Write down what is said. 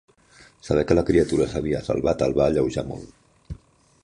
Saber que la criatura s'havia salvat el va alleujar molt.